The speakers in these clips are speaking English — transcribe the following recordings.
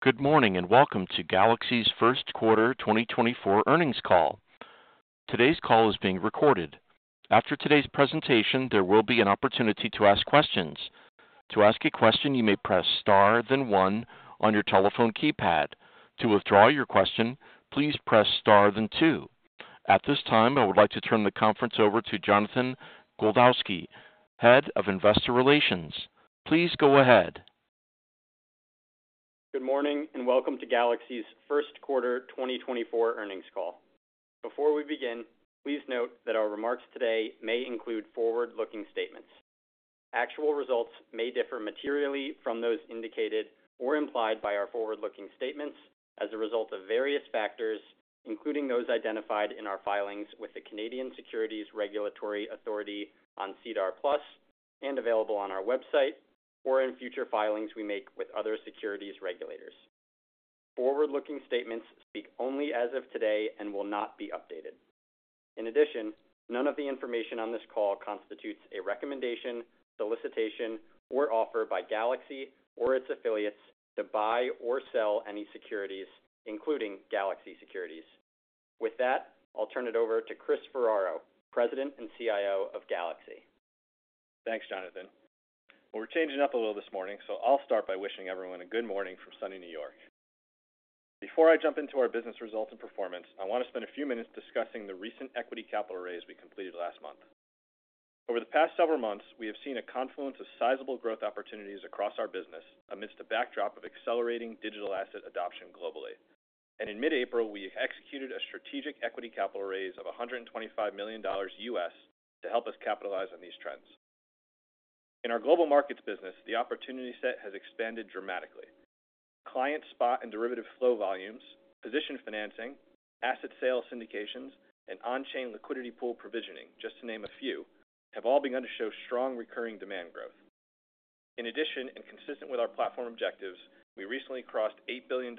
Good morning and welcome to Galaxy's First Quarter 2024 Earnings Call. Today's call is being recorded. After today's presentation, there will be an opportunity to ask questions. To ask a question, you may press star then one on your telephone keypad. To withdraw your question, please press star then two. At this time, I would like to turn the conference over to Jonathan Goldowsky, Head of Investor Relations. Please go ahead. Good morning and welcome to Galaxy's First Quarter 2024 Earnings Call. Before we begin, please note that our remarks today may include forward-looking statements. Actual results may differ materially from those indicated or implied by our forward-looking statements as a result of various factors, including those identified in our filings with the Canadian Securities Regulatory Authority on SEDAR+ and available on our website or in future filings we make with other securities regulators. Forward-looking statements speak only as of today and will not be updated. In addition, none of the information on this call constitutes a recommendation, solicitation, or offer by Galaxy or its affiliates to buy or sell any securities, including Galaxy Securities. With that, I'll turn it over to Chris Ferraro, President and CIO of Galaxy. Thanks, Jonathan. Well, we're changing up a little this morning, so I'll start by wishing everyone a good morning from sunny New York. Before I jump into our business results and performance, I want to spend a few minutes discussing the recent equity capital raise we completed last month. Over the past several months, we have seen a confluence of sizable growth opportunities across our business amidst a backdrop of accelerating digital asset adoption globally. In mid-April, we executed a strategic equity capital raise of $125 million to help us capitalize on these trends. In our global markets business, the opportunity set has expanded dramatically. Client spot and derivative flow volumes, position financing, asset sale syndications, and on-chain liquidity pool provisioning, just to name a few, have all shown strong recurring demand growth. In addition, and consistent with our platform objectives, we recently crossed $8 billion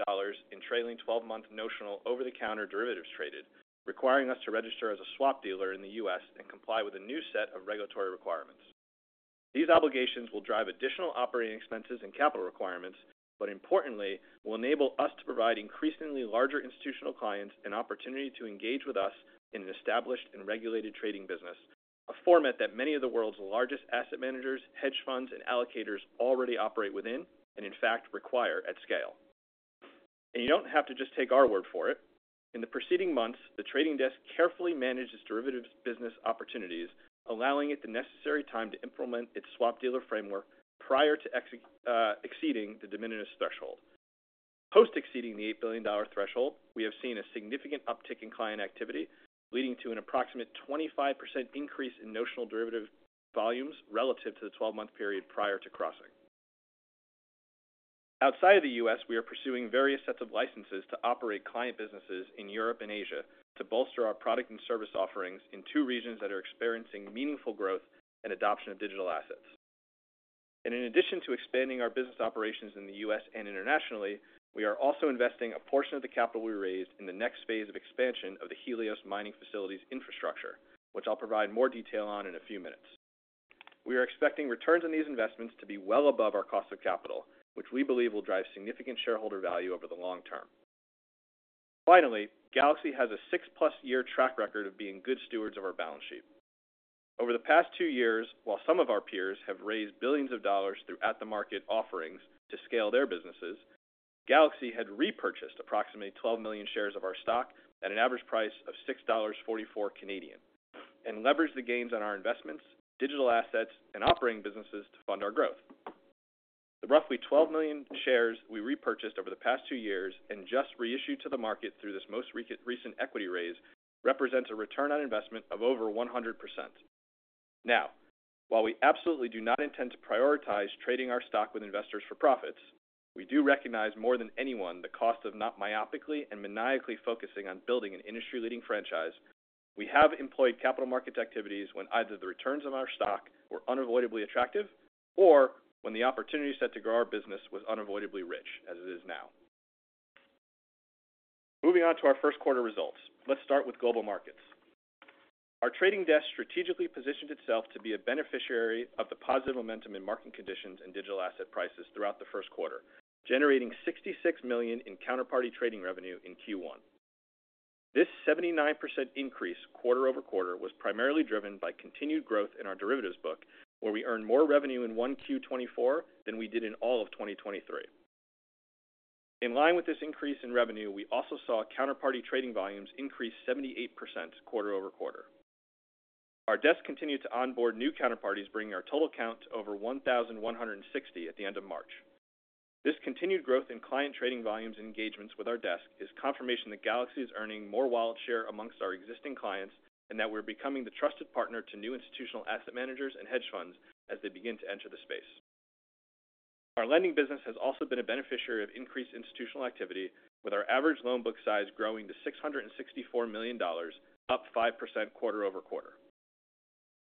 in trailing 12-month notional over-the-counter derivatives traded, requiring us to register as a swap dealer in the U.S. and comply with a new set of regulatory requirements. These obligations will drive additional operating expenses and capital requirements, but importantly, will enable us to provide increasingly larger institutional clients an opportunity to engage with us in an established and regulated trading business, a format that many of the world's largest asset managers, hedge funds, and allocators already operate within and, in fact, require at scale. And you don't have to just take our word for it. In the preceding months, the trading desk carefully managed its derivatives business opportunities, allowing it the necessary time to implement its swap dealer framework prior to exceeding the de minimis threshold. exceeding the $8 billion threshold, we have seen a significant uptick in client activity, leading to an approximate 25% increase in notional derivative volumes relative to the 12-month period prior to crossing. Outside of the U.S., we are pursuing various sets of licenses to operate client businesses in Europe and Asia to bolster our product and service offerings in two regions that are experiencing meaningful growth and adoption of digital assets. In addition to expanding our business operations in the U.S. and internationally, we are also investing a portion of the capital we raised in the next phase of expansion of the Helios mining facilities infrastructure, which I'll provide more detail on in a few minutes. We are expecting returns on these investments to be well above our cost of capital, which we believe will drive significant shareholder value over the long term. Finally, Galaxy has a 6+ year track record of being good stewards of our balance sheet. Over the past two years, while some of our peers have raised billions of dollars through at-the-market offerings to scale their businesses, Galaxy had repurchased approximately 12 million shares of our stock at an average price of 6.44 Canadian dollars and leveraged the gains on our investments, digital assets, and operating businesses to fund our growth. The roughly 12 million shares we repurchased over the past two years and just reissued to the market through this most recent equity raise represents a return on investment of over 100%. Now, while we absolutely do not intend to prioritize trading our stock with investors for profits, we do recognize more than anyone the cost of not myopically and maniacally focusing on building an industry-leading franchise. We have employed capital market activities when either the returns on our stock were unavoidably attractive or when the opportunity set to grow our business was unavoidably rich, as it is now. Moving on to our first quarter results, let's start with global markets. Our trading desk strategically positioned itself to be a beneficiary of the positive momentum in market conditions and digital asset prices throughout the first quarter, generating $66 million in counterparty trading revenue in Q1. This 79% increase quarter-over-quarter was primarily driven by continued growth in our derivatives book, where we earned more revenue in Q1 2024 than we did in all of 2023. In line with this increase in revenue, we also saw counterparty trading volumes increase 78% quarter-over-quarter. Our desk continued to onboard new counterparties, bringing our total count to over 1,160 at the end of March. This continued growth in client trading volumes and engagements with our desk is confirmation that Galaxy is earning more wallet share among our existing clients and that we're becoming the trusted partner to new institutional asset managers and hedge funds as they begin to enter the space. Our lending business has also been a beneficiary of increased institutional activity, with our average loan book size growing to $664 million, up 5% quarter-over-quarter.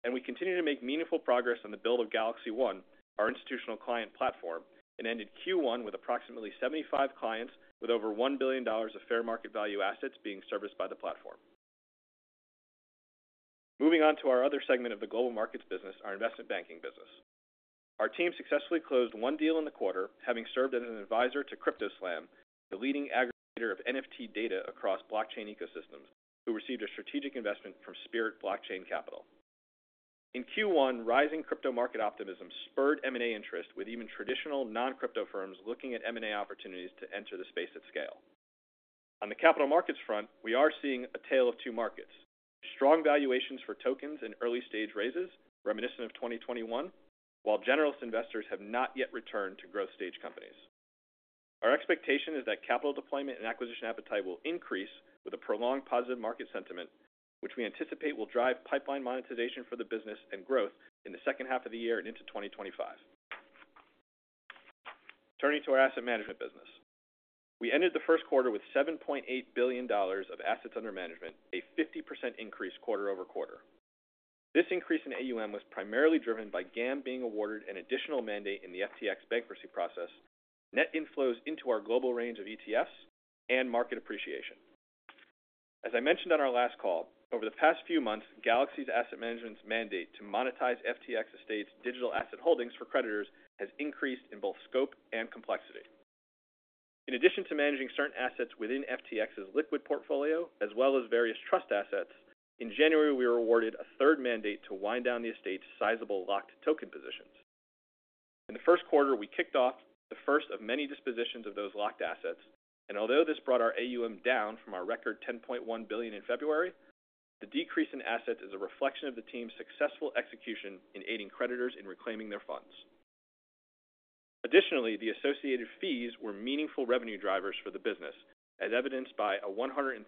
And we continue to make meaningful progress on the build of Galaxy One, our institutional client platform, and ended Q1 with approximately 75 clients with over $1 billion of fair market value assets being serviced by the platform. Moving on to our other segment of the global markets business, our investment banking business. Our team successfully closed one deal in the quarter, having served as an advisor to CryptoSlam, the leading aggregator of NFT data across blockchain ecosystems, who received a strategic investment from Spirit Blockchain Capital. In Q1, rising crypto market optimism spurred M&A interest with even traditional non-crypto firms looking at M&A opportunities to enter the space at scale. On the capital markets front, we are seeing a tale of two markets: strong valuations for tokens and early-stage raises, reminiscent of 2021, while generalist investors have not yet returned to growth-stage companies. Our expectation is that capital deployment and acquisition appetite will increase with a prolonged positive market sentiment, which we anticipate will drive pipeline monetization for the business and growth in the second half of the year and into 2025. Turning to our asset management business. We ended the first quarter with $7.8 billion of assets under management, a 50% increase quarter-over-quarter. This increase in AUM was primarily driven by GAM being awarded an additional mandate in the FTX bankruptcy process, net inflows into our global range of ETFs, and market appreciation. As I mentioned on our last call, over the past few months, Galaxy Asset Management's mandate to monetize FTX estate's digital asset holdings for creditors has increased in both scope and complexity. In addition to managing certain assets within FTX's liquid portfolio as well as various trust assets, in January we were awarded a third mandate to wind down the estate's sizable locked token positions. In the first quarter, we kicked off the first of many dispositions of those locked assets, and although this brought our AUM down from our record $10.1 billion in February, the decrease in assets is a reflection of the team's successful execution in aiding creditors in reclaiming their funds. Additionally, the associated fees were meaningful revenue drivers for the business, as evidenced by a 113%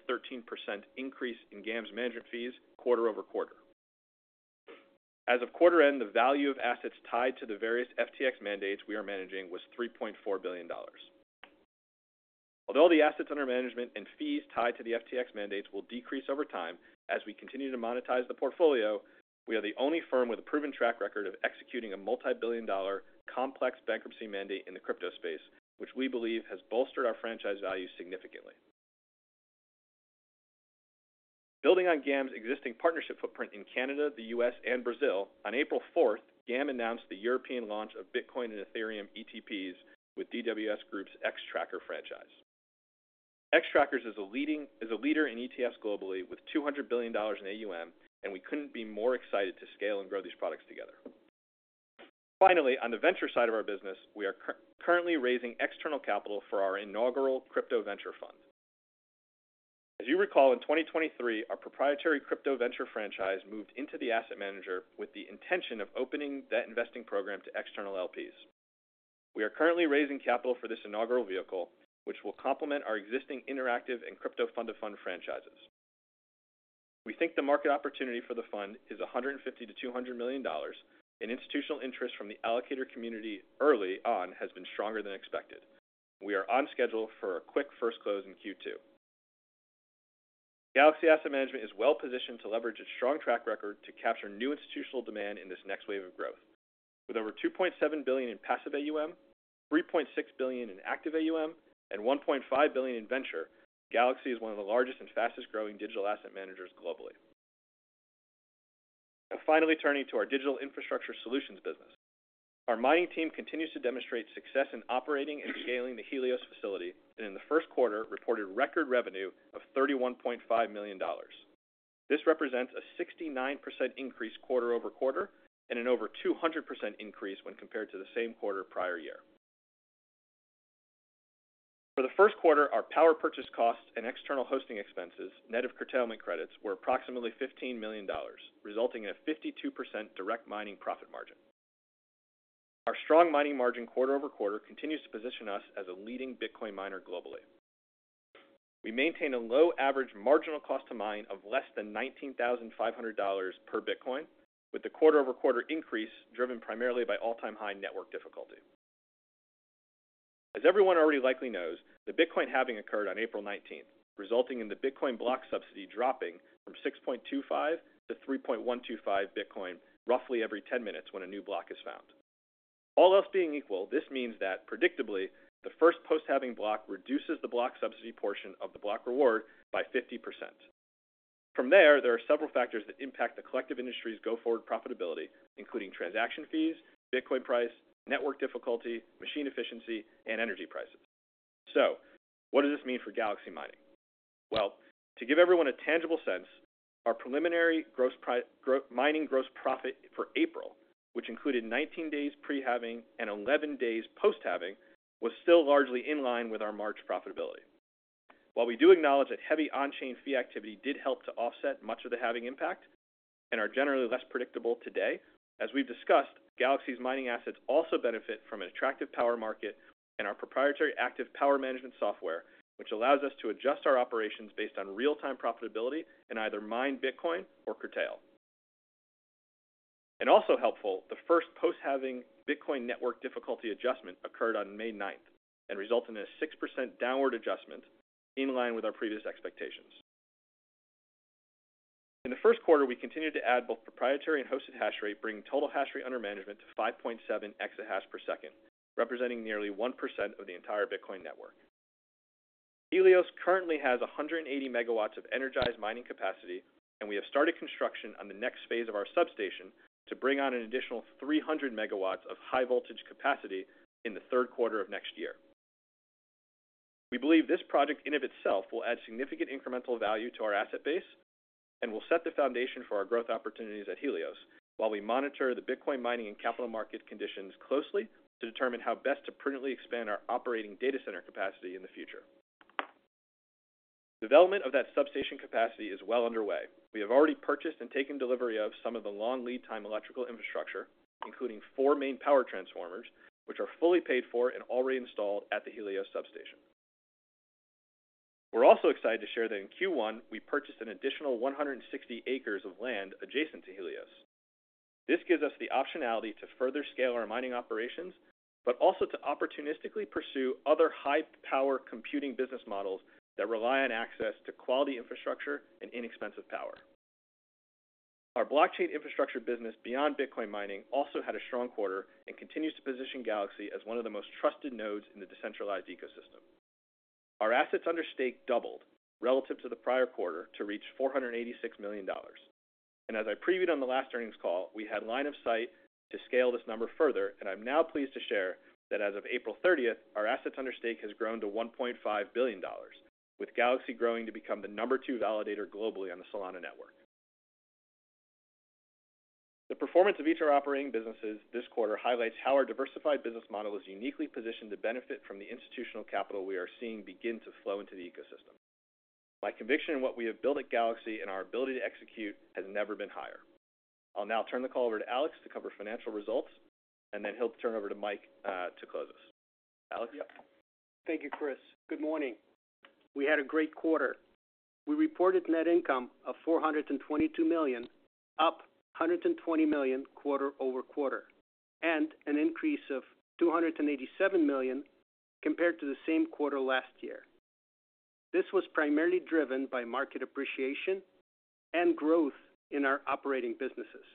increase in GAM's management fees quarter-over-quarter. As of quarter end, the value of assets tied to the various FTX mandates we are managing was $3.4 billion. Although the assets under management and fees tied to the FTX mandates will decrease over time as we continue to monetize the portfolio, we are the only firm with a proven track record of executing a multi-billion dollar complex bankruptcy mandate in the crypto space, which we believe has bolstered our franchise value significantly. Building on GAM's existing partnership footprint in Canada, the U.S., and Brazil, on April 4th, GAM announced the European launch of Bitcoin and Ethereum ETPs with DWS Group's Xtrackers franchise. Xtrackers is a leader in ETFs globally with $200 billion in AUM, and we couldn't be more excited to scale and grow these products together. Finally, on the venture side of our business, we are currently raising external capital for our inaugural crypto venture fund. As you recall, in 2023, our proprietary crypto venture franchise moved into the asset manager with the intention of opening that investing program to external LPs. We are currently raising capital for this inaugural vehicle, which will complement our existing Interactive and crypto fund-to-fund franchises. We think the market opportunity for the fund is $150 million-$200 million, and institutional interest from the allocator community early on has been stronger than expected. We are on schedule for a quick first close in Q2. Galaxy Asset Management is well positioned to leverage its strong track record to capture new institutional demand in this next wave of growth. With over $2.7 billion in passive AUM, $3.6 billion in active AUM, and $1.5 billion in venture, Galaxy is one of the largest and fastest growing digital asset managers globally. Now finally turning to our digital infrastructure solutions business. Our mining team continues to demonstrate success in operating and scaling the Helios facility and in the first quarter reported record revenue of $31.5 million. This represents a 69% increase quarter-over-quarter and an over 200% increase when compared to the same quarter prior year. For the first quarter, our power purchase costs and external hosting expenses, net of curtailment credits, were approximately $15 million, resulting in a 52% direct mining profit margin. Our strong mining margin quarter-over-quarter continues to position us as a leading Bitcoin miner globally. We maintain a low average marginal cost to mine of less than $19,500 per Bitcoin, with the quarter-over-quarter increase driven primarily by all-time high network difficulty. As everyone already likely knows, the Bitcoin halving occurred on April 19th, resulting in the Bitcoin block subsidy dropping from 6.25 to 3.125 Bitcoin roughly every 10 minutes when a new block is found. All else being equal, this means that, predictably, the first post-halving block reduces the block subsidy portion of the block reward by 50%. From there, there are several factors that impact the collective industry's go-forward profitability, including transaction fees, Bitcoin price, network difficulty, machine efficiency, and energy prices. So what does this mean for Galaxy mining? Well, to give everyone a tangible sense, our preliminary mining gross profit for April, which included 19 days pre-halving and 11 days post-halving, was still largely in line with our March profitability. While we do acknowledge that heavy on-chain fee activity did help to offset much of the halving impact and are generally less predictable today, as we've discussed, Galaxy's mining assets also benefit from an attractive power market and our proprietary active power management software, which allows us to adjust our operations based on real-time profitability and either mine Bitcoin or curtail. And also helpful, the first post-halving Bitcoin network difficulty adjustment occurred on May 9th and resulted in a 6% downward adjustment in line with our previous expectations. In the first quarter, we continued to add both proprietary and hosted hash rate, bringing total hash rate under management to 5.7 exahash per second, representing nearly 1% of the entire Bitcoin network. Helios currently has 180 MW of energized mining capacity, and we have started construction on the next phase of our substation to bring on an additional 300 MW of high voltage capacity in the third quarter of next year. We believe this project in and of itself will add significant incremental value to our asset base and will set the foundation for our growth opportunities at Helios while we monitor the Bitcoin mining and capital market conditions closely to determine how best to prudently expand our operating data center capacity in the future. Development of that substation capacity is well underway. We have already purchased and taken delivery of some of the long lead-time electrical infrastructure, including four main power transformers, which are fully paid for and already installed at the Helios substation. We're also excited to share that in Q1 we purchased an additional 160 acres of land adjacent to Helios. This gives us the optionality to further scale our mining operations, but also to opportunistically pursue other high-power computing business models that rely on access to quality infrastructure and inexpensive power. Our blockchain infrastructure business beyond Bitcoin mining also had a strong quarter and continues to position Galaxy as one of the most trusted nodes in the decentralized ecosystem. Our assets under stake doubled relative to the prior quarter to reach $486 million. As I previewed on the last earnings call, we had line of sight to scale this number further, and I'm now pleased to share that as of April 30th, our assets under stake has grown to $1.5 billion, with Galaxy growing to become the number 2 validator globally on the Solana network. The performance of each of our operating businesses this quarter highlights how our diversified business model is uniquely positioned to benefit from the institutional capital we are seeing begin to flow into the ecosystem. My conviction in what we have built at Galaxy and our ability to execute has never been higher. I'll now turn the call over to Alex to cover financial results, and then he'll turn over to Mike to close us. Alex? Yep. Thank you, Chris. Good morning. We had a great quarter. We reported net income of $422 million, up $120 million quarter-over-quarter, and an increase of $287 million compared to the same quarter last year. This was primarily driven by market appreciation and growth in our operating businesses.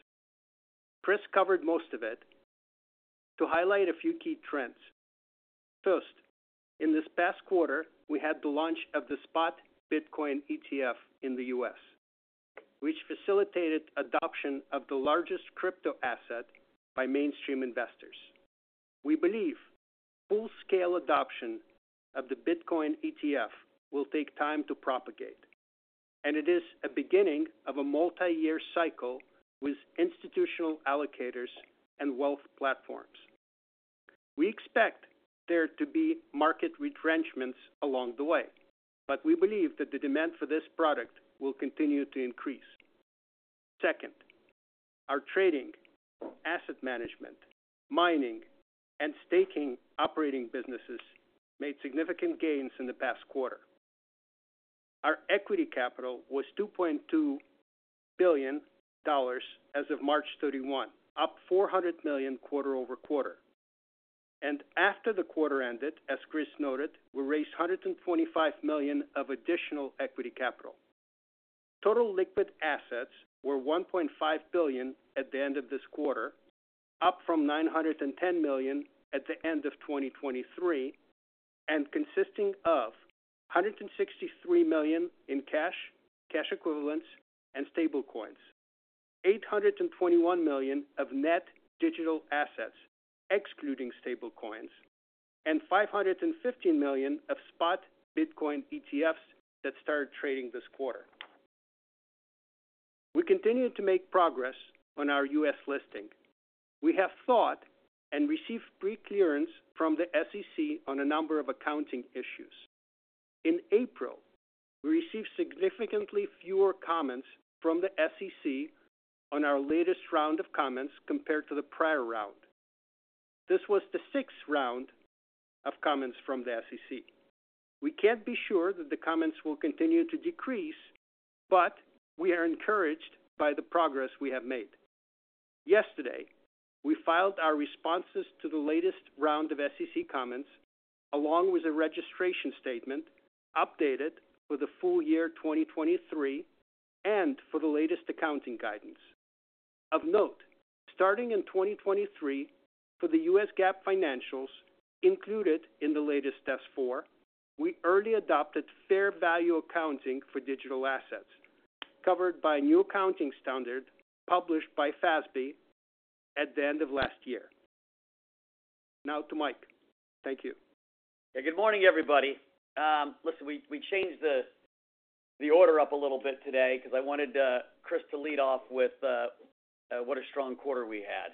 Chris covered most of it. To highlight a few key trends. First, in this past quarter, we had the launch of the spot Bitcoin ETF in the U.S., which facilitated adoption of the largest crypto asset by mainstream investors. We believe full-scale adoption of the Bitcoin ETF will take time to propagate, and it is a beginning of a multi-year cycle with institutional allocators and wealth platforms. We expect there to be market retrenchments along the way, but we believe that the demand for this product will continue to increase. Second, our trading, asset management, mining, and staking operating businesses made significant gains in the past quarter. Our equity capital was $2.2 billion as of March 31, up $400 million quarter-over-quarter. And after the quarter ended, as Chris noted, we raised $125 million of additional equity capital. Total liquid assets were $1.5 billion at the end of this quarter, up from $910 million at the end of 2023, and consisting of $163 million in cash, cash equivalents, and stablecoins, $821 million of net digital assets excluding stablecoins, and $515 million of spot Bitcoin ETFs that started trading this quarter. We continue to make progress on our U.S. listing. We have filed and received pre-clearance from the SEC on a number of accounting issues. In April, we received significantly fewer comments from the SEC on our latest round of filings compared to the prior round. This was the sixth round of comments from the SEC. We can't be sure that the comments will continue to decrease, but we are encouraged by the progress we have made. Yesterday, we filed our responses to the latest round of SEC comments, along with a registration statement updated for the full year 2023 and for the latest accounting guidance. Of note, starting in 2023, for the U.S. GAAP financials included in the latest S-4, we early adopted fair value accounting for digital assets, covered by a new accounting standard published by FASB at the end of last year. Now to Mike. Thank you. Yeah, good morning, everybody. Listen, we changed the order up a little bit today because I wanted Chris to lead off with what a strong quarter we had.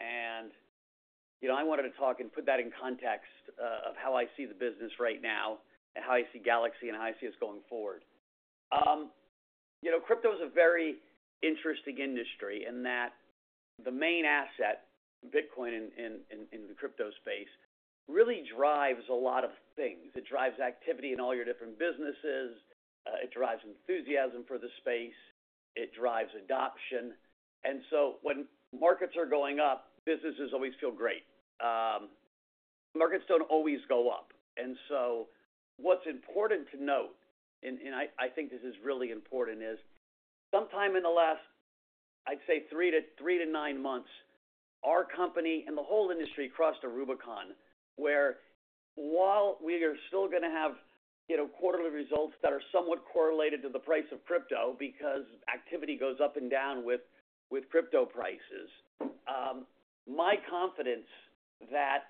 And I wanted to talk and put that in context of how I see the business right now and how I see Galaxy and how I see us going forward. Crypto is a very interesting industry in that the main asset, Bitcoin, in the crypto space really drives a lot of things. It drives activity in all your different businesses. It drives enthusiasm for the space. It drives adoption. And so when markets are going up, businesses always feel great. Markets don't always go up. And so what's important to note, and I think this is really important, is sometime in the last, I'd say, 3-9 months, our company and the whole industry crossed a Rubicon where while we are still going to have quarterly results that are somewhat correlated to the price of crypto because activity goes up and down with crypto prices, my confidence that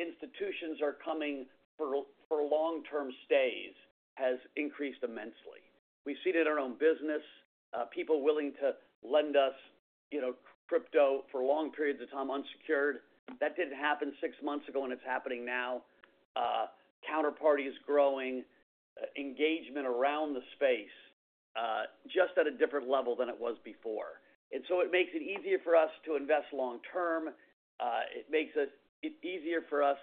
institutions are coming for long-term stays has increased immensely. We see it in our own business, people willing to lend us crypto for long periods of time unsecured. That didn't happen 6 months ago, and it's happening now. Counterparty is growing. Engagement around the space just at a different level than it was before. And so it makes it easier for us to invest long-term. It makes it easier for us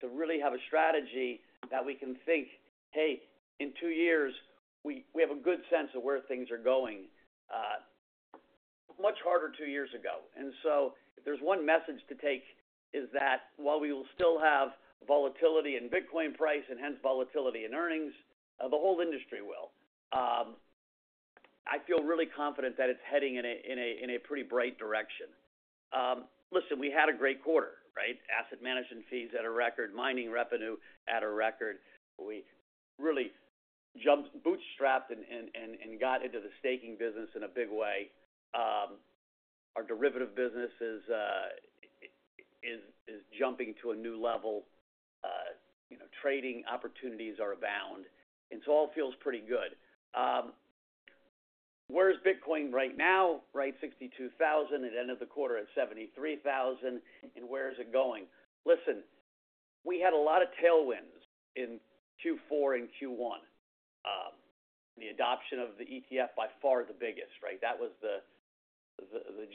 to really have a strategy that we can think, "Hey, in two years, we have a good sense of where things are going." Much harder two years ago. And so if there's one message to take is that while we will still have volatility in Bitcoin price and hence volatility in earnings, the whole industry will. I feel really confident that it's heading in a pretty bright direction. Listen, we had a great quarter, right? Asset management fees at a record, mining revenue at a record. We really bootstrapped and got into the staking business in a big way. Our derivative business is jumping to a new level. Trading opportunities are abound. And so all feels pretty good. Where's Bitcoin right now? Right at $62,000. At the end of the quarter, at $73,000. And where is it going? Listen, we had a lot of tailwinds in Q4 and Q1. The adoption of the ETF by far the biggest, right? That was the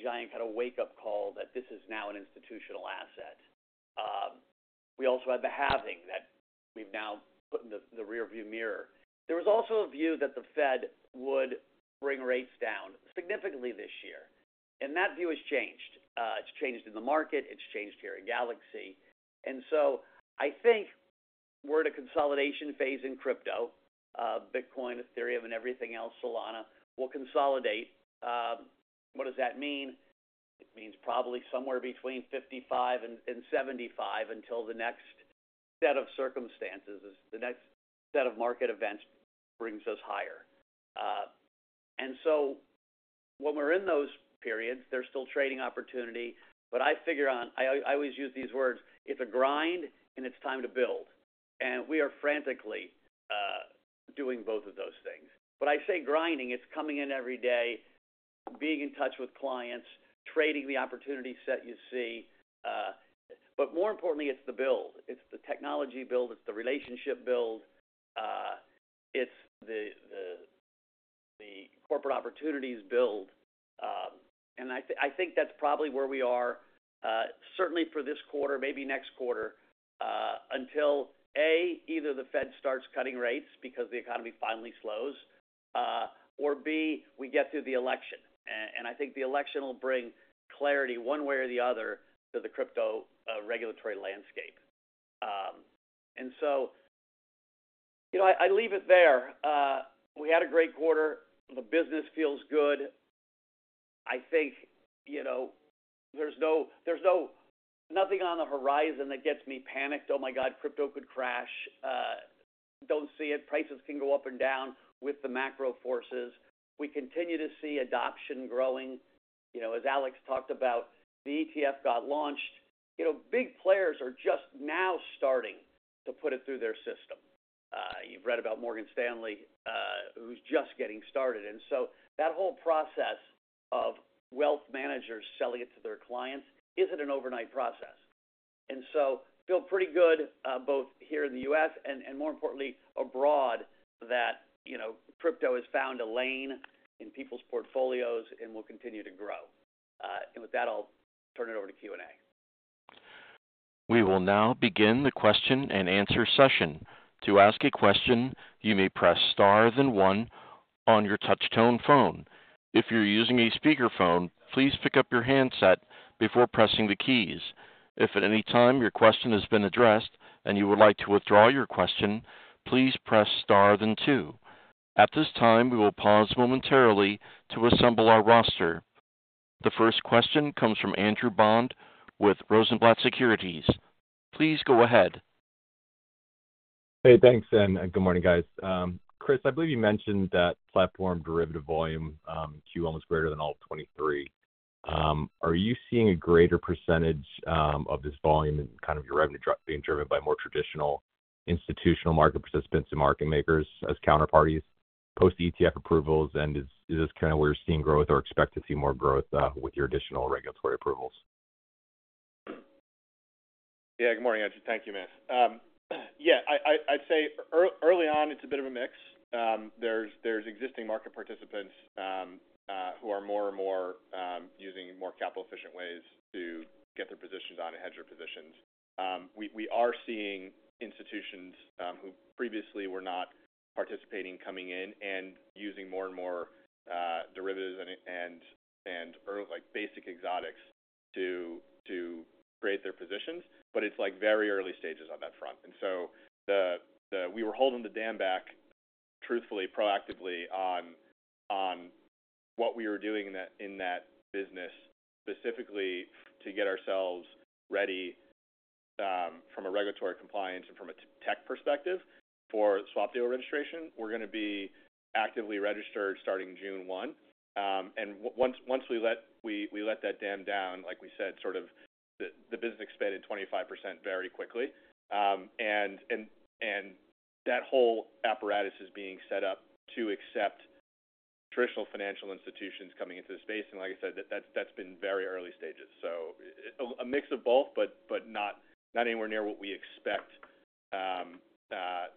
giant kind of wake-up call that this is now an institutional asset. We also had the halving that we've now put in the rearview mirror. There was also a view that the Fed would bring rates down significantly this year. That view has changed. It's changed in the market. It's changed here in Galaxy. So I think we're in a consolidation phase in crypto. Bitcoin, Ethereum, and everything else, Solana, will consolidate. What does that mean? It means probably somewhere between $55,000-$75,000 until the next set of circumstances, the next set of market events brings us higher. So when we're in those periods, there's still trading opportunity. But I figure on I always use these words. It's a grind, and it's time to build. And we are frantically doing both of those things. But I say grinding. It's coming in every day, being in touch with clients, trading the opportunity set you see. But more importantly, it's the build. It's the technology build. It's the relationship build. It's the corporate opportunities build. And I think that's probably where we are, certainly for this quarter, maybe next quarter, until A, either the Fed starts cutting rates because the economy finally slows, or B, we get through the election. And I think the election will bring clarity one way or the other to the crypto regulatory landscape. And so I leave it there. We had a great quarter. The business feels good. I think there's nothing on the horizon that gets me panicked. "Oh my God, crypto could crash. Don't see it. Prices can go up and down with the macro forces." We continue to see adoption growing. As Alex talked about, the ETF got launched. Big players are just now starting to put it through their system. You've read about Morgan Stanley, who's just getting started. And so that whole process of wealth managers selling it to their clients, is it an overnight process? And so feel pretty good both here in the U.S. and, more importantly, abroad that crypto has found a lane in people's portfolios and will continue to grow. And with that, I'll turn it over to Q&A. We will now begin the question and answer session. To ask a question, you may press star, then one on your touch-tone phone. If you're using a speakerphone, please pick up your handset before pressing the keys. If at any time your question has been addressed and you would like to withdraw your question, please press star, then two. At this time, we will pause momentarily to assemble our roster. The first question comes from Andrew Bond with Rosenblatt Securities. Please go ahead. Hey, thanks. Good morning, guys. Chris, I believe you mentioned that platform derivative volume Q1 was greater than all of 2023. Are you seeing a greater percentage of this volume and kind of your revenue being driven by more traditional institutional market participants and market makers as counterparties post-ETF approvals? And is this kind of where you're seeing growth or expect to see more growth with your additional regulatory approvals? Yeah, good morning, Andrew. Thank you, Miss. Yeah, I'd say early on, it's a bit of a mix. There's existing market participants who are more and more using more capital-efficient ways to get their positions on and hedge their positions. We are seeing institutions who previously were not participating coming in and using more and more derivatives and basic exotics to create their positions. But it's very early stages on that front. And so we were holding the dam back, truthfully, proactively on what we were doing in that business, specifically to get ourselves ready from a regulatory compliance and from a tech perspective for swap dealer registration. We're going to be actively registered starting June 1. And once we let that dam down, like we said, sort of the business expanded 25% very quickly. That whole apparatus is being set up to accept traditional financial institutions coming into the space. Like I said, that's been very early stages. A mix of both, but not anywhere near what we expect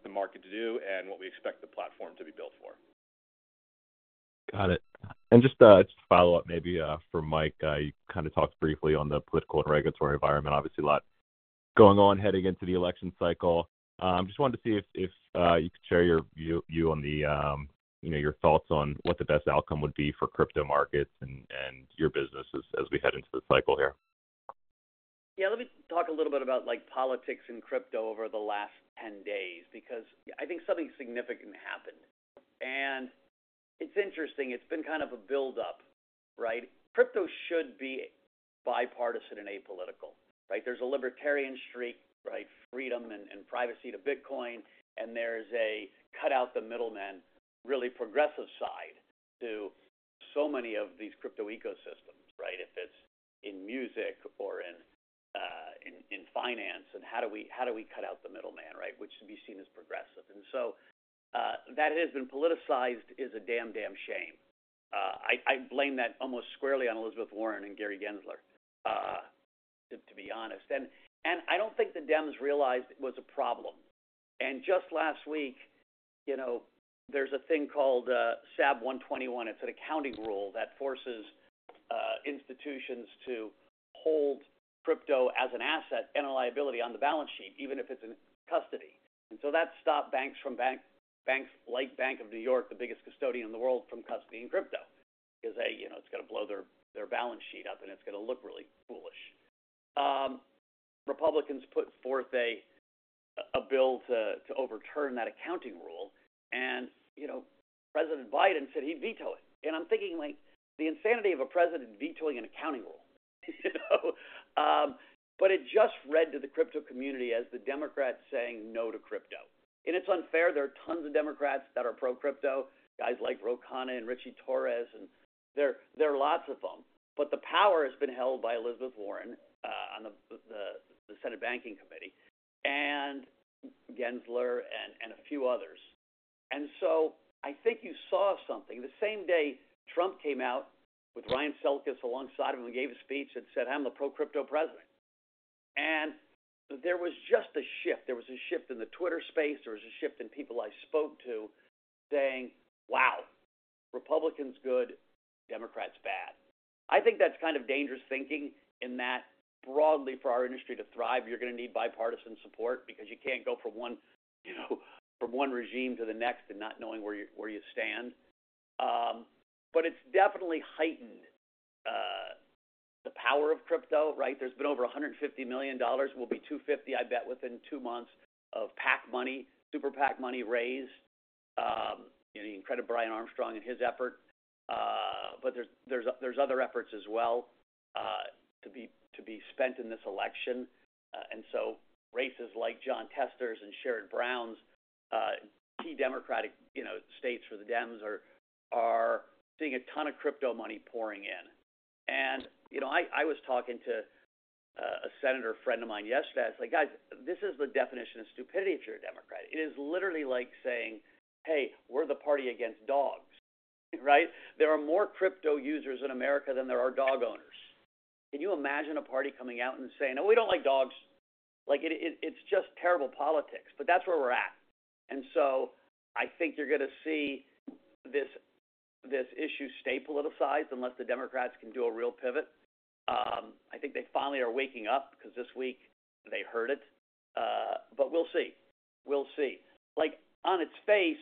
the market to do and what we expect the platform to be built for. Got it. And just to follow up maybe for Mike, you kind of talked briefly on the political and regulatory environment, obviously, a lot going on heading into the election cycle. I just wanted to see if you could share your view on your thoughts on what the best outcome would be for crypto markets and your business as we head into the cycle here. Yeah, let me talk a little bit about politics and crypto over the last 10 days because I think something significant happened. It's interesting. It's been kind of a buildup, right? Crypto should be bipartisan and apolitical, right? There's a libertarian streak, right, freedom and privacy to Bitcoin. There's a cut-out-the-middleman, really progressive side to so many of these crypto ecosystems, right? If it's in music or in finance, then how do we cut out the middleman, right, which should be seen as progressive? So that has been politicized is a damn, damn shame. I blame that almost squarely on Elizabeth Warren and Gary Gensler, to be honest. Just last week, there's a thing called SAB 121. It's an accounting rule that forces institutions to hold crypto as an asset and a liability on the balance sheet, even if it's in custody. And so that stopped banks from banks like Bank of New York, the biggest custodian in the world, from custodying crypto because it's going to blow their balance sheet up, and it's going to look really foolish. Republicans put forth a bill to overturn that accounting rule. And President Biden said he'd veto it. And I'm thinking, like, the insanity of a president vetoing an accounting rule. But it just read to the crypto community as the Democrats saying no to crypto. And it's unfair. There are tons of Democrats that are pro-crypto, guys like Ro Khanna and Ritchie Torres. And there are lots of them. But the power has been held by Elizabeth Warren on the Senate Banking Committee and Gensler and a few others. And so I think you saw something the same day Trump came out with Ryan Selkus alongside him and gave a speech and said, "I'm the pro-crypto president." And there was just a shift. There was a shift in the Twitter space. There was a shift in people I spoke to saying, "Wow, Republicans good, Democrats bad." I think that's kind of dangerous thinking in that broadly, for our industry to thrive, you're going to need bipartisan support because you can't go from one regime to the next and not knowing where you stand. But it's definitely heightened the power of crypto, right? There's been over $150 million. It will be $250, I bet, within two months of PAC money, super PAC money raised, you know, you can credit Brian Armstrong and his effort. But there's other efforts as well to be spent in this election. And so races like Jon Tester's and Sherrod Brown's, key Democratic states for the Dems are seeing a ton of crypto money pouring in. And I was talking to a senator friend of mine yesterday. I was like, "Guys, this is the definition of stupidity if you're a Democrat. It is literally like saying, 'Hey, we're the party against dogs,' right? There are more crypto users in America than there are dog owners. Can you imagine a party coming out and saying, 'No, we don't like dogs'? It's just terrible politics. But that's where we're at. I think you're going to see this issue stay politicized unless the Democrats can do a real pivot. I think they finally are waking up because this week, they heard it. But we'll see. We'll see. On its face,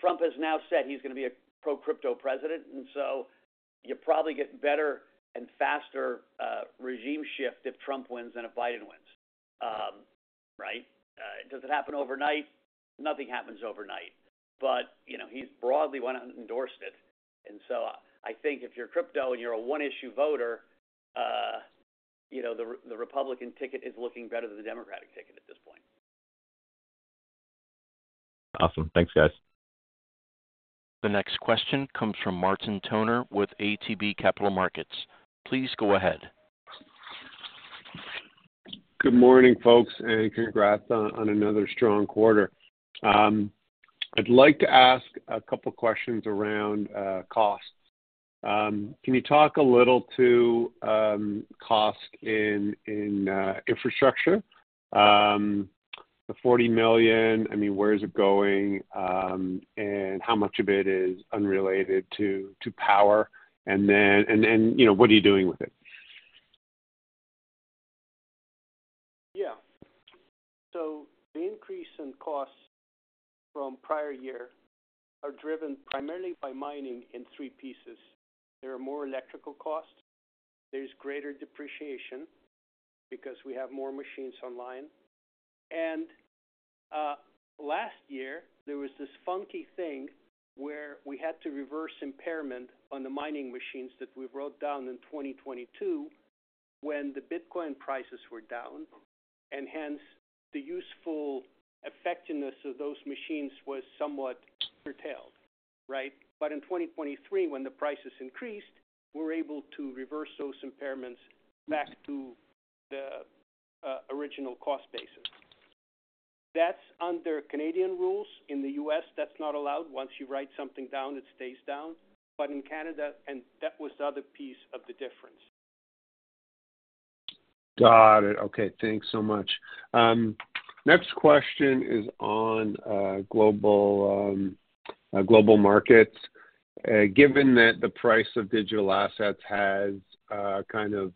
Trump has now said he's going to be a pro-crypto president. You probably get better and faster regime shift if Trump wins than if Biden wins, right? Does it happen overnight? Nothing happens overnight. But he's broadly went out and endorsed it. I think if you're crypto and you're a one-issue voter, the Republican ticket is looking better than the Democratic ticket at this point. Awesome. Thanks, guys. The next question comes from Martin Toner with ATB Capital Markets. Please go ahead. Good morning, folks, and congrats on another strong quarter. I'd like to ask a couple of questions around costs. Can you talk a little to cost in infrastructure, the $40 million? I mean, where is it going, and how much of it is unrelated to power, and then what are you doing with it? Yeah. So the increase in costs from prior year are driven primarily by mining in three pieces. There are more electrical costs. There's greater depreciation because we have more machines online. And last year, there was this funky thing where we had to reverse impairment on the mining machines that we wrote down in 2022 when the Bitcoin prices were down. And hence, the useful effectiveness of those machines was somewhat curtailed, right? But in 2023, when the prices increased, we were able to reverse those impairments back to the original cost basis. That's under Canadian rules. In the U.S., that's not allowed. Once you write something down, it stays down. But in Canada and that was the other piece of the difference. Got it. Okay. Thanks so much. Next question is on global markets. Given that the price of digital assets has kind of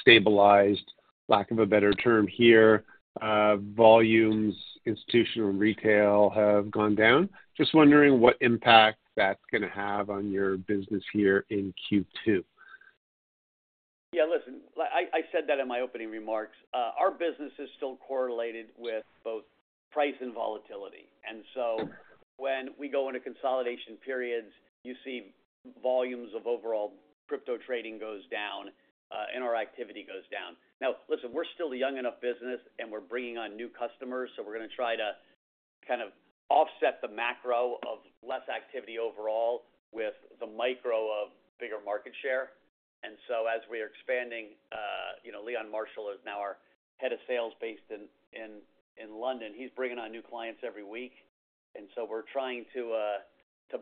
stabilized, lack of a better term here, volumes, institutional and retail have gone down, just wondering what impact that's going to have on your business here in Q2. Yeah, listen, I said that in my opening remarks. Our business is still correlated with both price and volatility. And so when we go into consolidation periods, you see volumes of overall crypto trading goes down, and our activity goes down. Now, listen, we're still a young enough business, and we're bringing on new customers. So we're going to try to kind of offset the macro of less activity overall with the micro of bigger market share. And so as we are expanding, Leon Marshall is now our Head of Sales based in London. He's bringing on new clients every week. And so we're trying to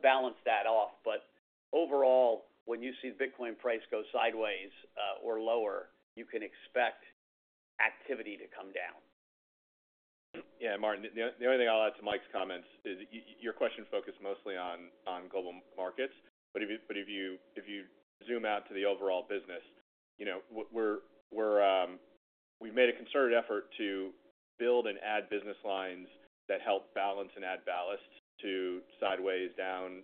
balance that off. But overall, when you see the Bitcoin price go sideways or lower, you can expect activity to come down. Yeah, Martin, the only thing I'll add to Mike's comments is your question focused mostly on global markets. But if you zoom out to the overall business, we've made a concerted effort to build and add business lines that help balance and add ballast to sideways down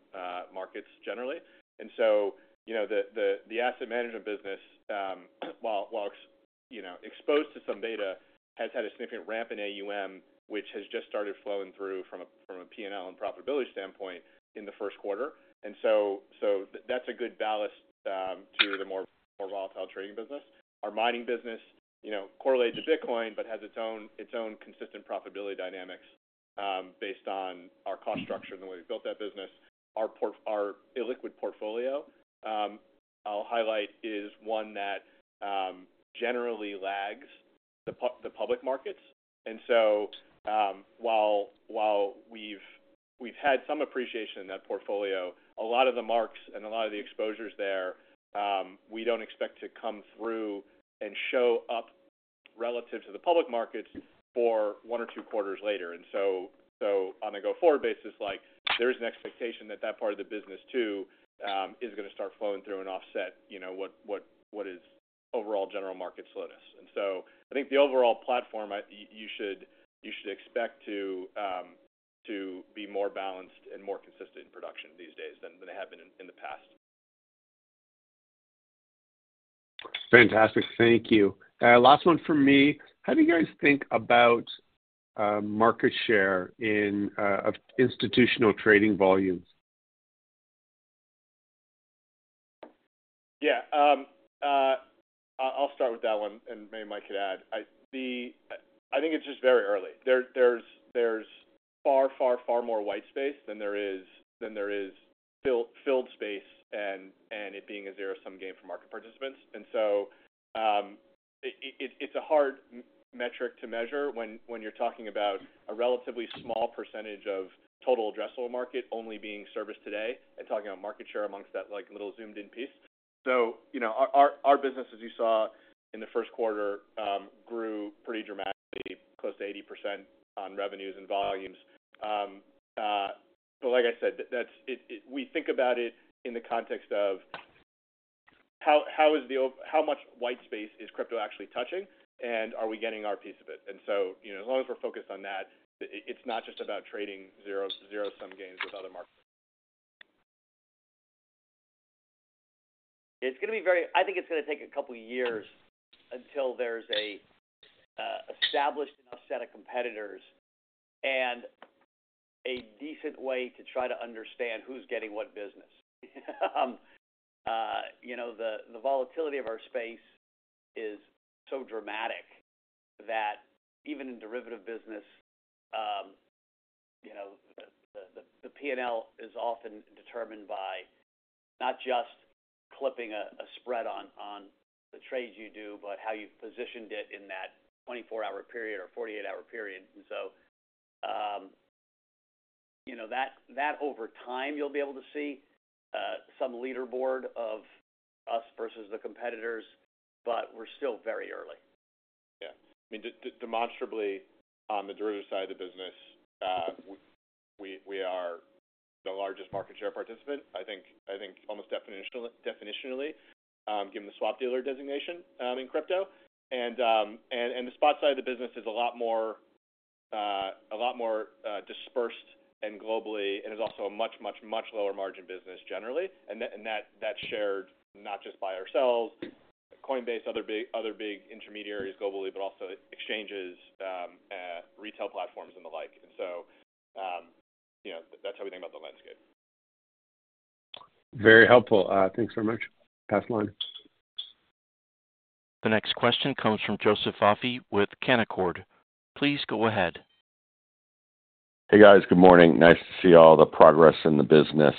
markets generally. And so the asset management business, while exposed to some data, has had a significant ramp in AUM, which has just started flowing through from a P&L and profitability standpoint in the first quarter. And so that's a good ballast to the more volatile trading business. Our mining business correlates to Bitcoin but has its own consistent profitability dynamics based on our cost structure and the way we've built that business. Our illiquid portfolio, I'll highlight, is one that generally lags the public markets. While we've had some appreciation in that portfolio, a lot of the marks and a lot of the exposures there, we don't expect to come through and show up relative to the public markets for one or two quarters later. On a go-forward basis, there is an expectation that that part of the business, too, is going to start flowing through and offset what is overall general market slowness. I think the overall platform, you should expect to be more balanced and more consistent in production these days than they have been in the past. Fantastic. Thank you. Last one from me. How do you guys think about market share of institutional trading volumes? Yeah, I'll start with that one, and maybe Mike could add. I think it's just very early. There's far, far, far more white space than there is filled space, and it being a zero-sum game for market participants. And so it's a hard metric to measure when you're talking about a relatively small percentage of total addressable market only being serviced today and talking about market share amongst that little zoomed-in piece. So our business, as you saw in the first quarter, grew pretty dramatically, close to 80% on revenues and volumes. But like I said, we think about it in the context of how much white space is crypto actually touching, and are we getting our piece of it? And so as long as we're focused on that, it's not just about trading zero-sum gains with other markets. It's going to be, I think, it's going to take a couple of years until there's an established enough set of competitors and a decent way to try to understand who's getting what business. The volatility of our space is so dramatic that even in derivative business, the P&L is often determined by not just clipping a spread on the trades you do, but how you've positioned it in that 24-hour period or 48-hour period. So that, over time, you'll be able to see some leaderboard of us versus the competitors, but we're still very early. Yeah. I mean, demonstrably, on the derivative side of the business, we are the largest market share participant, I think, almost definitionally, given the swap dealer designation in crypto. And the spot side of the business is a lot more dispersed and globally, and is also a much, much, much lower margin business generally. And that's how we think about the landscape. Very helpful. Thanks very much. Pass the line. The next question comes from Joseph Vafi with Canaccord. Please go ahead. Hey, guys. Good morning. Nice to see all the progress in the business.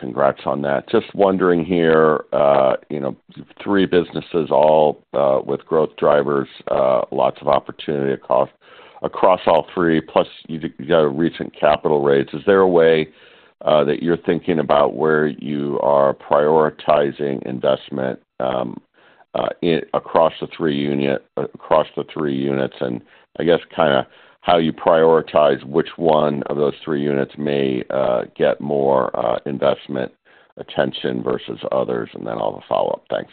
Congrats on that. Just wondering here, three businesses, all with growth drivers, lots of opportunity across all three, plus you got a recent capital raise. Is there a way that you're thinking about where you are prioritizing investment across the three units and, I guess, kind of how you prioritize which one of those three units may get more investment attention versus others? And then I'll have a follow-up. Thanks.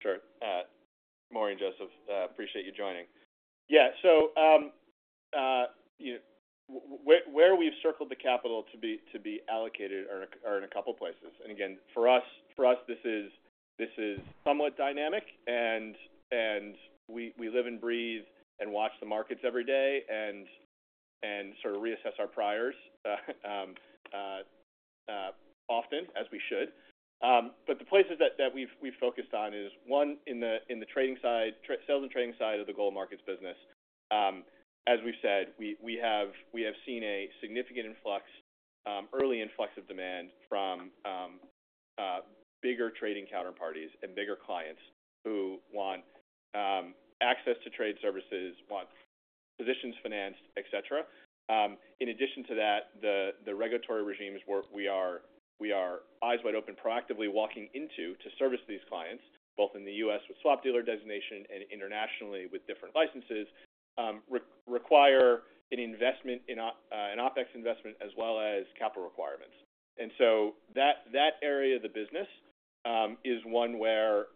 Sure. Morning, Joseph. Appreciate you joining. Yeah. So where we've circled the capital to be allocated are in a couple of places. And again, for us, this is somewhat dynamic. And we live and breathe and watch the markets every day and sort of reassess our priors often, as we should. But the places that we've focused on is, one, in the sales and trading side of the global markets business. As we've said, we have seen a significant early influx of demand from bigger trading counterparties and bigger clients who want access to trade services, want positions financed, etc. In addition to that, the regulatory regimes we are eyes wide open proactively walking into to service these clients, both in the U.S. with swap dealer designation and internationally with different licenses, require an investment, an OpEx investment, as well as capital requirements. And so that area of the business is one where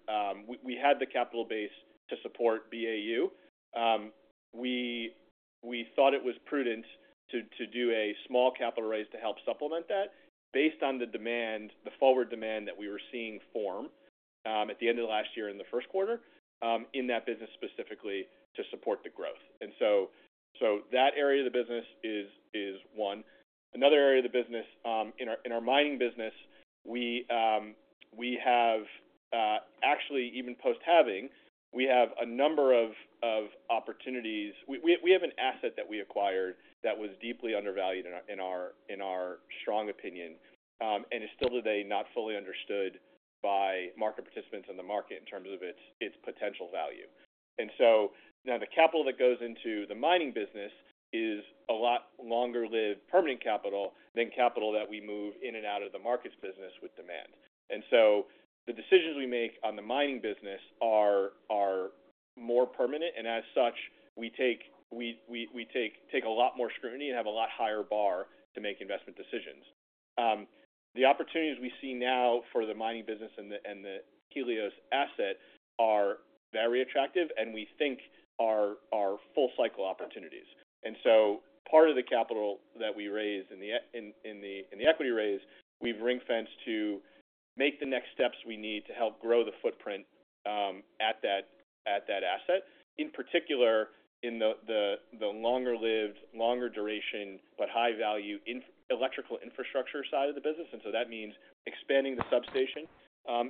we had the capital base to support BAU. We thought it was prudent to do a small capital raise to help supplement that based on the forward demand that we were seeing from at the end of last year in the first quarter in that business specifically to support the growth. And so that area of the business is one. Another area of the business, in our mining business, we have actually, even post-halving, we have a number of opportunities. We have an asset that we acquired that was deeply undervalued, in our strong opinion, and is still today not fully understood by market participants in the market in terms of its potential value. And so now the capital that goes into the mining business is a lot longer-lived permanent capital than capital that we move in and out of the markets business with demand. And so the decisions we make on the mining business are more permanent. And as such, we take a lot more scrutiny and have a lot higher bar to make investment decisions. The opportunities we see now for the mining business and the Helios asset are very attractive, and we think are full-cycle opportunities. And so part of the capital that we raised in the equity raise, we've ring-fenced to make the next steps we need to help grow the footprint at that asset, in particular, in the longer-lived, longer-duration, but high-value electrical infrastructure side of the business. So that means expanding the substation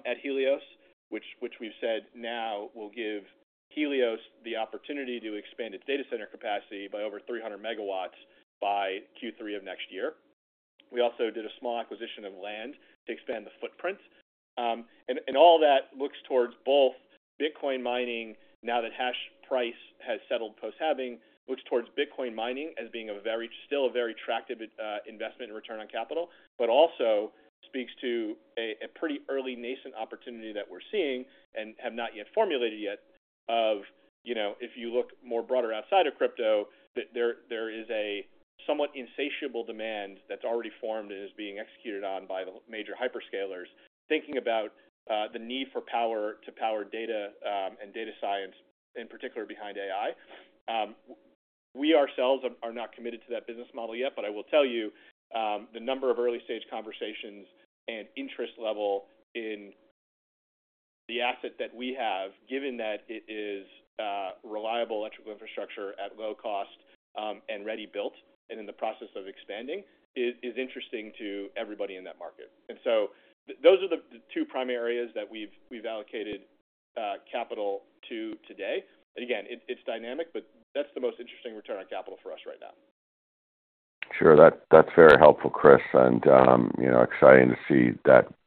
at Helios, which we've said now will give Helios the opportunity to expand its data center capacity by over 300 MW by Q3 of next year. We also did a small acquisition of land to expand the footprint. All that looks towards both Bitcoin mining, now that hash price has settled post-halving, looks towards Bitcoin mining as being still a very attractive investment in return on capital, but also speaks to a pretty early nascent opportunity that we're seeing and have not yet formulated yet of if you look more broader outside of crypto, there is a somewhat insatiable demand that's already formed and is being executed on by the major hyperscalers, thinking about the need for power to power data and data science, in particular, behind AI. We ourselves are not committed to that business model yet. But I will tell you, the number of early-stage conversations and interest level in the asset that we have, given that it is reliable electrical infrastructure at low cost and ready-built and in the process of expanding, is interesting to everybody in that market. So those are the two primary areas that we've allocated capital to today. Again, it's dynamic, but that's the most interesting return on capital for us right now. Sure. That's very helpful, Chris, and exciting to see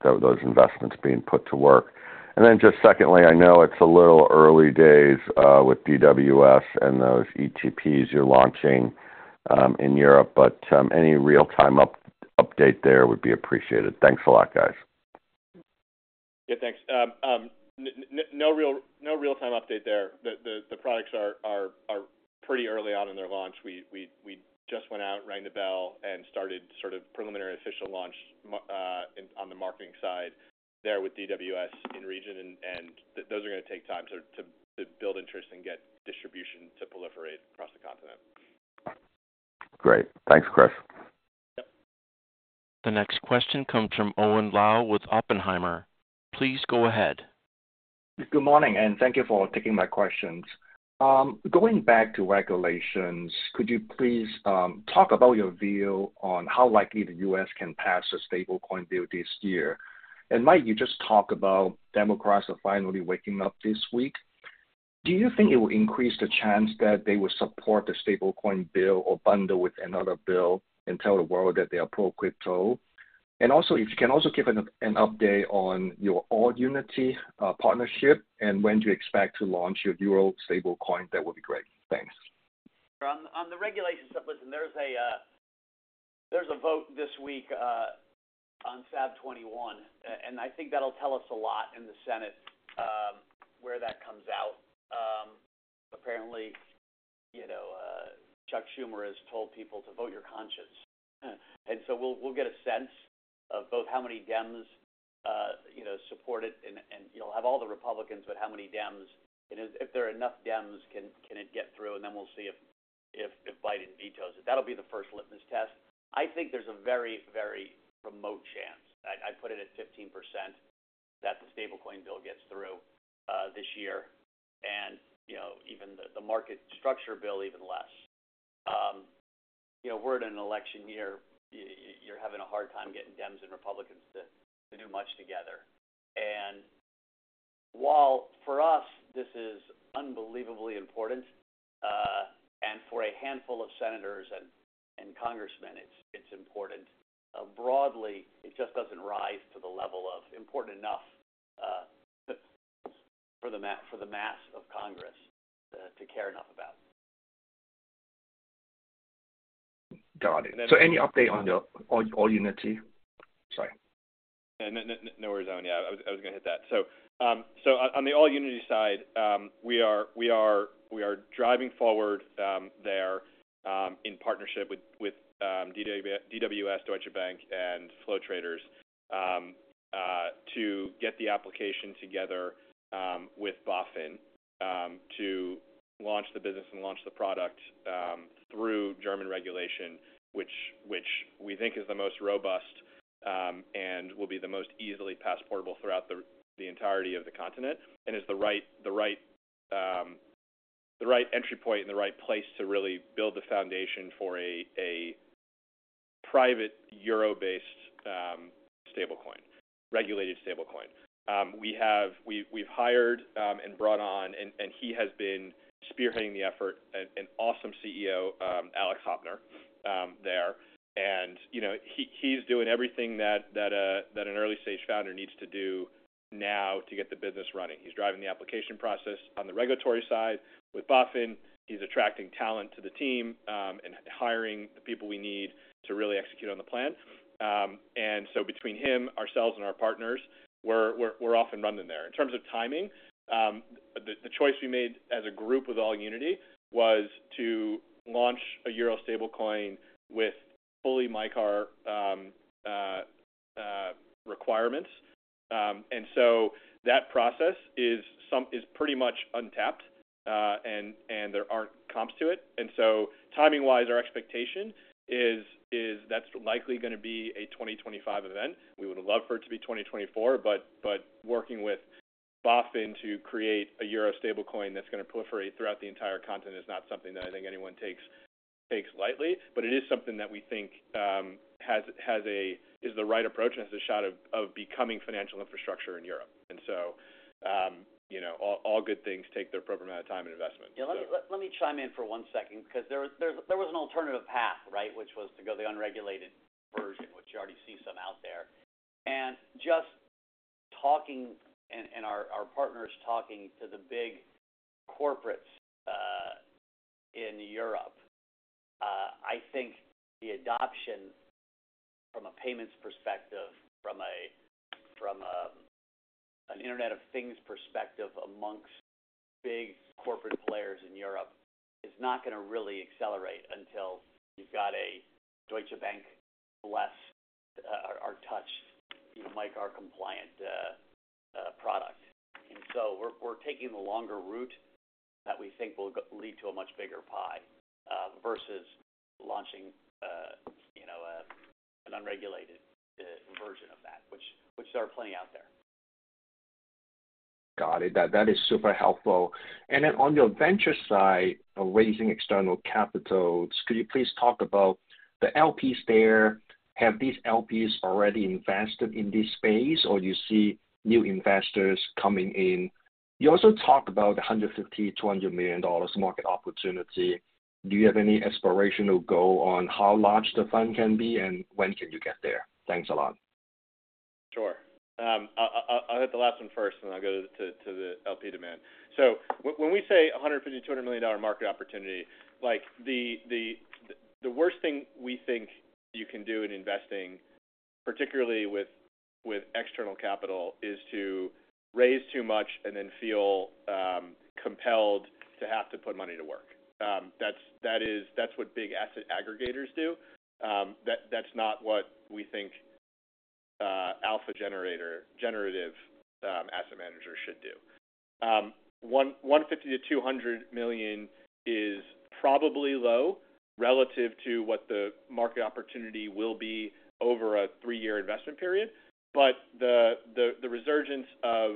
those investments being put to work. And then just secondly, I know it's a little early days with DWS and those ETPs you're launching in Europe, but any real-time update there would be appreciated. Thanks a lot, guys. Yeah, thanks. No real-time update there. The products are pretty early on in their launch. We just went out, rang the bell, and started sort of preliminary official launch on the marketing side there with DWS in region. Those are going to take time to build interest and get distribution to proliferate across the continent. Great. Thanks, Chris. Yep. The next question comes from Owen Lau with Oppenheimer. Please go ahead. Good morning, and thank you for taking my questions. Going back to regulations, could you please talk about your view on how likely the U.S. can pass a stablecoin bill this year? And Mike, you just talked about Democrats are finally waking up this week. Do you think it will increase the chance that they will support the stablecoin bill or bundle with another bill and tell the world that they approve crypto? And if you can also give an update on your AllUnity partnership and when do you expect to launch your Euro stablecoin, that would be great. Thanks. On the regulations, listen, there's a vote this week on SAB 121, and I think that'll tell us a lot in the Senate where that comes out. Apparently, Chuck Schumer has told people to vote your conscience. And so we'll get a sense of both how many Dems support it, and you'll have all the Republicans, but how many Dems? And if there are enough Dems, can it get through? And then we'll see if Biden vetoes it. That'll be the first litmus test. I think there's a very, very remote chance. I put it at 15% that the stablecoin bill gets through this year, and even the market structure bill, even less. We're in an election year. You're having a hard time getting Dems and Republicans to do much together. While for us, this is unbelievably important, and for a handful of senators and congressmen, it's important, broadly, it just doesn't rise to the level of important enough for the mass of Congress to care enough about. Got it. So any update on the AllUnity? Sorry. Yeah, no worries, Owen. Yeah, I was going to hit that. So on the AllUnity side, we are driving forward there in partnership with DWS, Deutsche Bank, and Flow Traders to get the application together with BaFin to launch the business and launch the product through German regulation, which we think is the most robust and will be the most easily passportable throughout the entirety of the continent and is the right entry point and the right place to really build the foundation for a private Euro-based regulated stablecoin. We've hired and brought on, and he has been spearheading the effort, an awesome CEO, Alex Höptner, there. And he's doing everything that an early-stage founder needs to do now to get the business running. He's driving the application process on the regulatory side with BaFin. He's attracting talent to the team and hiring the people we need to really execute on the plan. And so between him, ourselves, and our partners, we're off and running there. In terms of timing, the choice we made as a group with AllUnity was to launch a euro stablecoin with fully MiCAR requirements. And so that process is pretty much untapped, and there aren't comps to it. And so timing-wise, our expectation is that's likely going to be a 2025 event. We would love for it to be 2024, but working with BaFin to create a euro stablecoin that's going to proliferate throughout the entire continent is not something that I think anyone takes lightly. But it is something that we think is the right approach and has a shot of becoming financial infrastructure in Europe. All good things take their appropriate amount of time and investment. Yeah. Let me chime in for one second because there was an alternative path, right, which was to go the unregulated version, which you already see some out there. And just talking and our partners talking to the big corporates in Europe, I think the adoption from a payments perspective, from an Internet of Things perspective amongst big corporate players in Europe is not going to really accelerate until you've got a Deutsche Bank-blessed or touched MiCAR-compliant product. And so we're taking the longer route that we think will lead to a much bigger pie versus launching an unregulated version of that, which there are plenty out there. Got it. That is super helpful. And then on your venture side of raising external capitals, could you please talk about the LPs there? Have these LPs already invested in this space, or do you see new investors coming in? You also talked about the $150 million-$200 million market opportunity. Do you have any aspirational goal on how large the fund can be, and when can you get there? Thanks a lot. Sure. I'll hit the last one first, and then I'll go to the LP demand. So when we say $150 million-$200 million market opportunity, the worst thing we think you can do in investing, particularly with external capital, is to raise too much and then feel compelled to have to put money to work. That's what big asset aggregators do. That's not what we think alpha generative asset managers should do. $150 million-$200 million is probably low relative to what the market opportunity will be over a 3-year investment period. But the resurgence of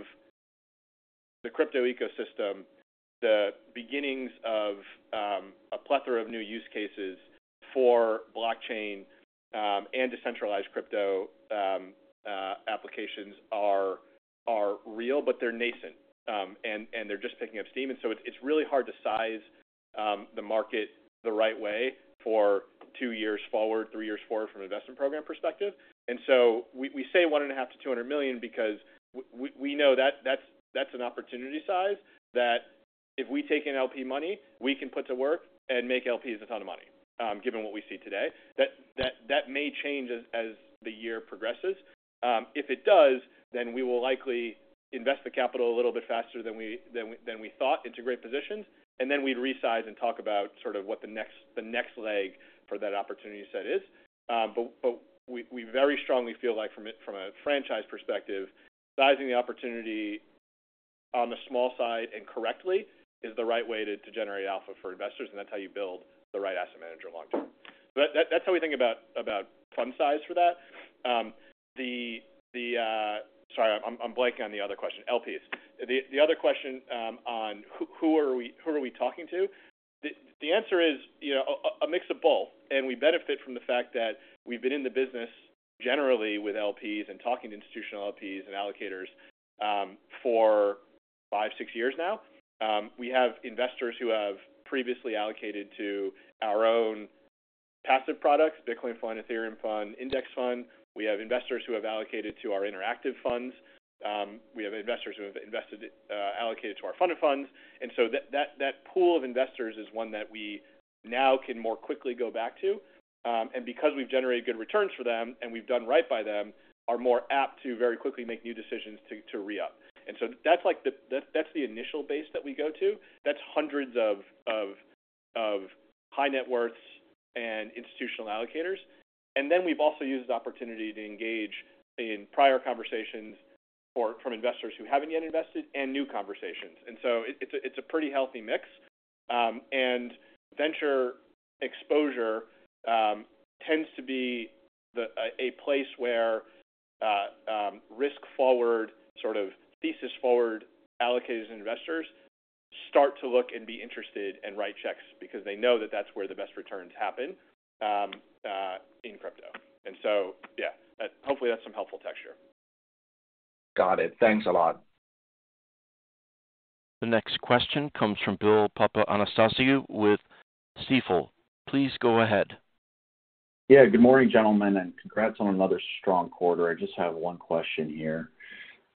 the crypto ecosystem, the beginnings of a plethora of new use cases for blockchain and decentralized crypto applications are real, but they're nascent, and they're just picking up steam. And so it's really hard to size the market the right way for 2 years forward, 3 years forward from an investment program perspective. We say $150 million-$200 million because we know that's an opportunity size, that if we take in LP money, we can put to work and make LPs a ton of money, given what we see today. That may change as the year progresses. If it does, then we will likely invest the capital a little bit faster than we thought into great positions, and then we'd resize and talk about sort of what the next leg for that opportunity set is. But we very strongly feel like, from a franchise perspective, sizing the opportunity on the small side and correctly is the right way to generate alpha for investors, and that's how you build the right asset manager long term. So that's how we think about fund size for that. Sorry, I'm blanking on the other question, LPs. The other question on who are we talking to? The answer is a mix of both. We benefit from the fact that we've been in the business generally with LPs and talking to institutional LPs and allocators for 5, 6 years now. We have investors who have previously allocated to our own passive products, Bitcoin Fund, Ethereum Fund, Index Fund. We have investors who have allocated to our Interactive funds. We have investors who have allocated to our fund of funds. That pool of investors is one that we now can more quickly go back to. Because we've generated good returns for them and we've done right by them, are more apt to very quickly make new decisions to re-up. That's the initial base that we go to. That's hundreds of high net worths and institutional allocators. Then we've also used this opportunity to engage in prior conversations from investors who haven't yet invested and new conversations. So it's a pretty healthy mix. Venture exposure tends to be a place where risk-forward, sort of thesis-forward allocators and investors start to look and be interested and write checks because they know that that's where the best returns happen in crypto. So yeah, hopefully, that's some helpful texture. Got it. Thanks a lot. The next question comes from Bill Papanastasiou with Stifel. Please go ahead. Yeah, good morning, gentlemen, and congrats on another strong quarter. I just have one question here.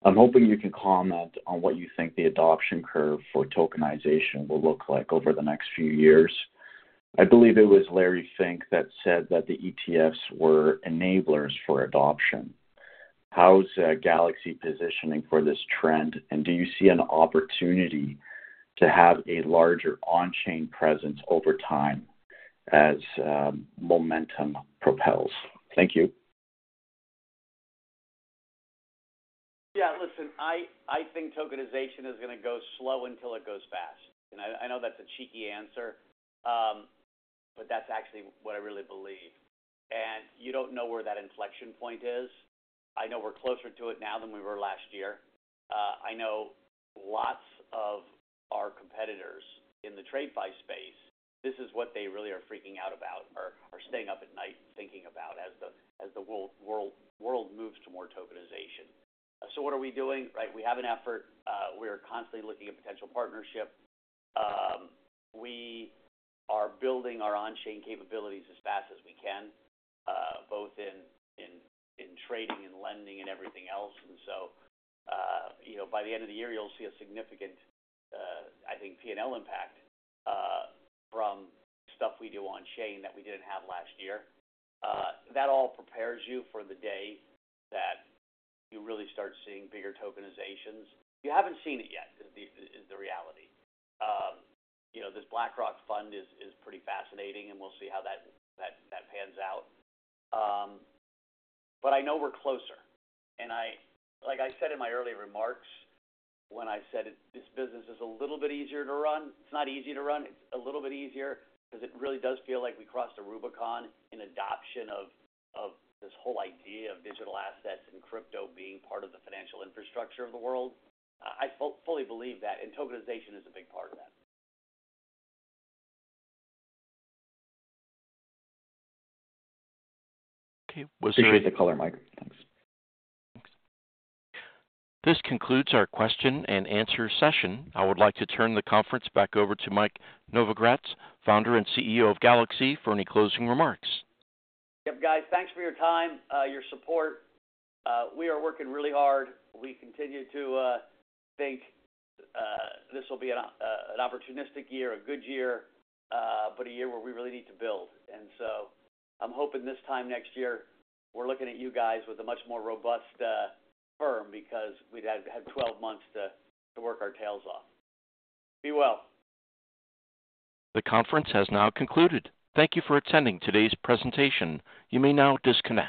I'm hoping you can comment on what you think the adoption curve for tokenization will look like over the next few years. I believe it was Larry Fink that said that the ETFs were enablers for adoption. How's Galaxy positioning for this trend, and do you see an opportunity to have a larger on-chain presence over time as momentum propels? Thank you. Yeah, listen, I think tokenization is going to go slow until it goes fast. And I know that's a cheeky answer, but that's actually what I really believe. And you don't know where that inflection point is. I know we're closer to it now than we were last year. I know lots of our competitors in the TradFi space, this is what they really are freaking out about, are staying up at night thinking about as the world moves to more tokenization. So what are we doing? Right, we have an effort. We are constantly looking at potential partnerships. We are building our on-chain capabilities as fast as we can, both in trading and lending and everything else. And so by the end of the year, you'll see a significant, I think, P&L impact from stuff we do on-chain that we didn't have last year. That all prepares you for the day that you really start seeing bigger tokenizations. You haven't seen it yet, is the reality. This BlackRock fund is pretty fascinating, and we'll see how that pans out. But I know we're closer. Like I said in my earlier remarks when I said this business is a little bit easier to run, it's not easy to run. It's a little bit easier because it really does feel like we crossed a Rubicon in adoption of this whole idea of digital assets and crypto being part of the financial infrastructure of the world. I fully believe that, and tokenization is a big part of that. Okay. Appreciate the color, Mike. Thanks. Thanks. This concludes our question and answer session. I would like to turn the conference back over to Mike Novogratz, Founder and CEO of Galaxy, for any closing remarks. Yep, guys, thanks for your time, your support. We are working really hard. We continue to think this will be an opportunistic year, a good year, but a year where we really need to build. And so I'm hoping this time next year, we're looking at you guys with a much more robust firm because we'd have had 12 months to work our tails off. Be well. The conference has now concluded. Thank you for attending today's presentation. You may now disconnect.